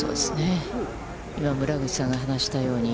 今、村口さんが話したように。